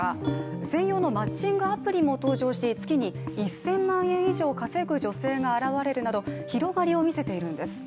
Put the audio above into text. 専用のマッチングアプリも登場し月に１０００万円以上稼ぐ女性が現れるなど広がりを見せているんです。